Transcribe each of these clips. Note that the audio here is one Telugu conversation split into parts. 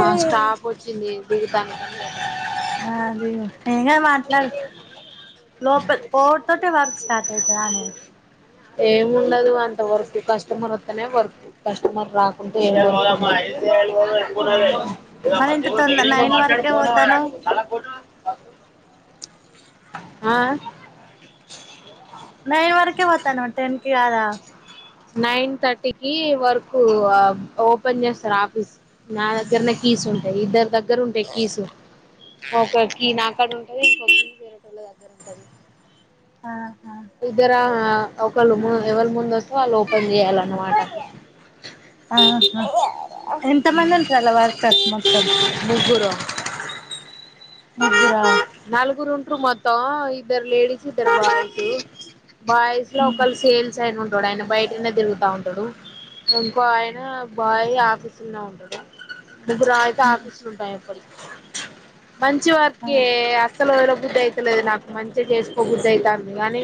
ఆ స్టాప్ వచ్చింది [inaudible] అది ఏంగాదు మాట్లాడు లోపల ఫోర్ తోటి వర్క్ స్టార్ట్ అయితదానే ఏమి ఉండదు అంత వరకు కస్టమర్ వస్తనే వర్క్ కస్టమర్ రాకుంటే ఆహా మరి దిగమ్మ ఇంత దిగు తొంద దిగినాక నైన్ మాట్లాడు వరకే ఫోను పోతానవ్ అ ఆ నైన్ వరక కె పోతనవా టెన్ కాదా నైన్ థర్టీకి వరకు ఓపెన్ చేస్తారు ఆఫీస్ నా దగ్గరన కీస్ ఉంటాయి ఇద్దరు దగ్గర దగ్గరు ఉంటాయి కీస్ ఒకే కీ నా కడ ఉంటా [unintelligible] ఆ ఇద్దరా ఒకరు [unintelligible] ఎవరు ముందు వస్ వాళ్ళు ఓపెన్ చేయాలన్నమాట ఆహా ఎంత మంది ఉంటారు వర్కర్స్ మొత్తం ముగ్గురు ముగ్గురా చుట్టూ మొత్తం ఇద్దరు లేడీస్ ఇద్దరూ బాయ్స్ బాయ్స్ లో ఒకళ సేల్ యిన ఉంటాడు ఆయన బయటనే తిరుగుతా ఉంటాడు ఇంకో ఆయన బాయ్ ఆఫీసులోనే ఉంటాడు ఇక రా అయితే ఆఫీసులు ఉంటాయి ఎప్పటి మంచి వర్క్కే అసలు ఎరో బుద్ధి అయితలేదు నాకు మంచిగా చేసుకో బుద్ధి అవుతుంది కాని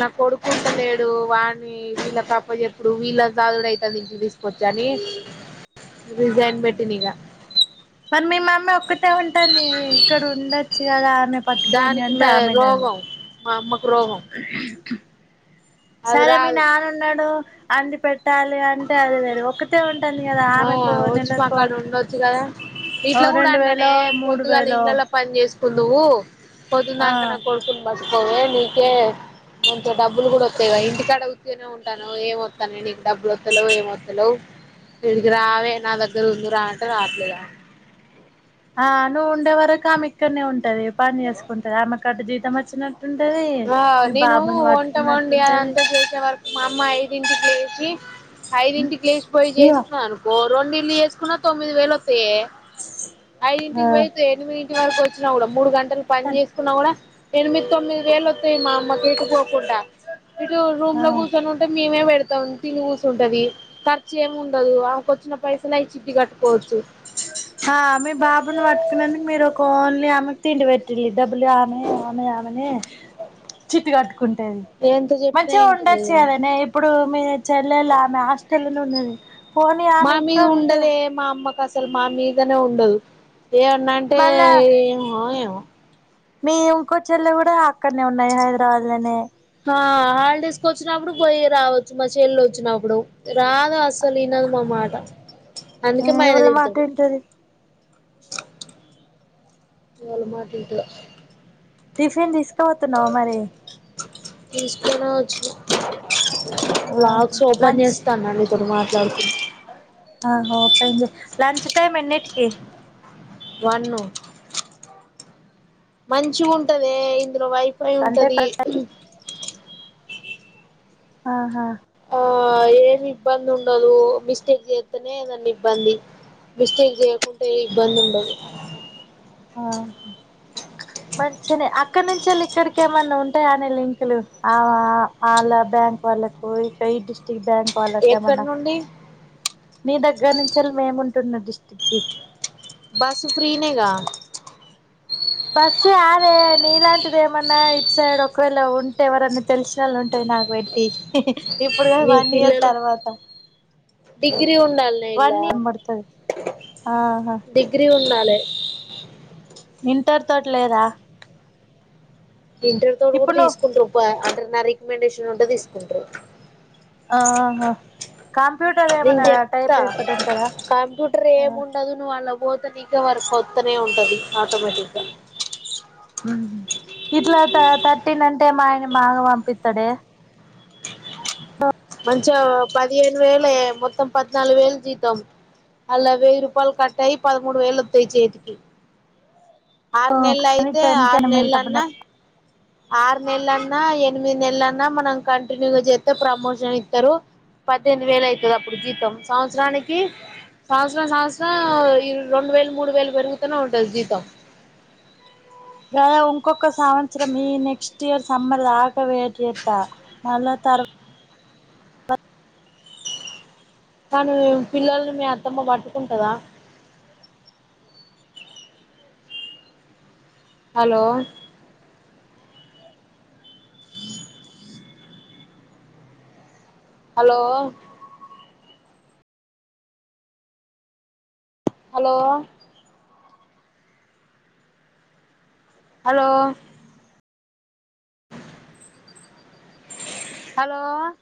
నాకు కొడుకుంట లేడు వాన్ని వీళ్ళకి అప్పచెప్పు వీళ్ళకి [unintelligible] రిజైన్ పెట్టినా ఇంకా మరి మీ మామీ ఒక్కతే ఉంట ఇక్కడ ఉండొచ్చు కదా పట్టుకొని దానికి అంటే మే ఆమెనది రోగం ఆ అది సరే మీ రాదు నాన్నన్నాడు అంది పెట్ పెట్టాలి అంటే అది లేదు ఒకతే ఉంటుంది కదా ఆ ఆమెకు వచ్చి మాకాడ ఉండొచ్చు కదా నెలకుఓ ఇట్లా కూడా రెండు వేలో మూడు వేలో కొవు పదు ఆ నాక నా కొడుకు ప ఇవే నీకే కొంచె డబ్బులు కూడా వస్తాయి ఇంటికాడ వస్తూనే ఉంటాను ఏమొస్తాను నీకు డబ్బులు త్తలు ఏ మొత్తలు ఇటికి రావే నా దగ్గర ఉంది రా అంటే రావట్లేదు ఆ నువ్వు ఉండే వరకు ఆమె ఇక్కడనే ఉంటది పని నేర్చుకుంటుంది మ కట్జ జితం వచ్చినట్టుంటది ఆ మీ నేను బాబాను వంట వండి పట్టుకున్నట్టుంటది అదంతా చేసే వరకు మా అమ్మ ఐడెంటికి లేసి ఐదింటికిలేసి పోయి ఇగో చేస్తున్నా అనుకో రెండు ఇల్లు చేసుకున్నా తొమ్మిది వేల వత్త సే ఐదు ఆ ఇంటిికి పోయతే ఎనిమి వరకు వచ్చిన కూడా మూడు గంట అసలు పని చేసుకున్నా కూడా ఏర్మి [unintelligible] తొమ్మిది వేలు వస్తాయి మా అమ్మకి ఇటు పోకుండా ఇటు రూమ్ ఆ లో కూర్చొని ఉంటే మేమే పెడతాం తిని స్తుంటది ఖర్చు ఏమి ఉండదు ఆకు వచ్చిన పైసలుయి ఆ మీ బాబుని పట్టుకునేందుకు మీరు ఒక ఓన్లీ ఆమె తిండిపెట్దు డబ్బులు ఆమె ఆమె ఆమెని చిట్ కట్టుకుంటేది ఎంత చెప్పినా మంచిగా ఉండొచ్చు ఇంటలేదు కదనే ఇప్పుడు మీ చెల్లెలు ఆమె హస్టల్ ఉన్నది పోనీ ఆమె మా మీద ఇంటికాడ ఉంటదా ఉండదే మా అమ్మకు అసలు మామీదనే ఉండదు ఏమన్నాంటే మళ్ళా ఏమో ఏమో మీ ఇంకో చెల్లె కూడా అక్కడనే ఉన్నాయి హైదరాబాద్ లోనే ఆ హాలిడేస్ కు వచ్చినప్పుడు పోయి రావచ్చు మ చెల్లు వచ్చినప్పుడు రాద అసలు ఇన్నది మా మాట ఆ ఇవళ మాటంటది ఎవరిలో మాట వింటదో టిఫిన్ తీసుకు వతున్నా మరి తీసుకొనివచ్చాను ఆ లాక్స్ ఓపెన్ లంచ్ చేస్తానండి మీ ఇతోడు మాట్లాడుతూ లంచ టైం ఎన్నిటికి వన్ మంచిగుంటది ఇందులో వైఫై అంటే ఉంటది కరెక్ట్ ఆహా ఆ ఏమి ఇబ్బంది ఉండదు మిస్టేక్ చేస్తేనే ఏదన్ని ఇబ్బంది మిస్టేక్ చేయకుంటే ఏ ఇబ్బంది ఉండదు ఆ మంచినే అక్కడి నుంచి వాళ్ళు ఇక్కడికి ఏమన్నా ఉంటా అంటే అనే లింకులు వాళ్ళ బ్యాంక్ వాళ్ళకు ఇ ఈ డిస్టిరిక్ బ్యాంక్ వాళ్ళక ఎక్కడ ఏమన్నా నుండి నీ దగ్గర నుంచి మేము ఉంటున్న స్టికి బస్సు ఫ్రీనేగా బస్సు ఆదే నీలాంటిది ఏమన్నా ఇటు సైడ్ ఒకవేళ ఉంటే ఎవరని తెలిసిన వాళ్ళు ఉంటాయి నాకు పెట్టి ఇప్పుడు కాదు మీ వన్ ఇయర్ పిల్లలు తర్వాత డిగ్రీ ఉన్నా వన్ ఇయర్ పడుతది ఆహా డిగ్రీ ఉ [unintelligible] ఇంటర్ తోటి లేదా ఇంటర్ తో కూడా ఇప్పుడు నువ్వు తీసుకుంట రప్ప అంట రికమెండేషన్ ఉంట తీసుకుంటారు ఆహా క నేను చెప్తా కంప్యూటర్ ఏమి ఉండదు నువ్ వాళ్ళ పోతనిక వారి కొత్తనే ఉంటంది ఆటోమేటిక్గా ఇట్లా త థర్టీన్ అంటే మాయ మాగావాంపితడే మంచి పదిహేను వేలే మొత్తం పద్నాలుగు వేలు తీతాం అళ్లా వెయ్యి రూపాయలు కట్టాయి పదమూడు వేలు వస్తాయి చేతికి ఆర్ నెల్ కానీ అయితే టెన్ ఆర్ కైనా నెల మిగులుతా అన్నా ఆరు నెలలన్నా ఎనిమిది నెలలన్నా మనం కంటిన్యూగా చేస్తే ప్రమోషన్ ఇస్తారు పద్దెనిది వేలు అవుతుది అప్పుడు జీతం సంవత్సరానికి సంవత్సరం సంవత్సరం రెండు వేలు మూడు వేలు పెరుగుతూనే ఉంటది జీతం గ ఇంకొక సంవత్సరం ఈ నెక్స్ట్ ఇయర్ సమ్మర్ దాకవేత మళ్ళా తర్వాత కానీ పిల్లలు మీ అత్తమ్మ పట్టుకుంటదా హలో హలో హలో అో హలో